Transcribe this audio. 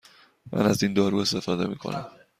من از این دارو استفاده می کنم.